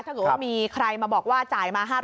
ถ้าเกิดว่ามีใครมาบอกว่าจ่ายมา๕๐๐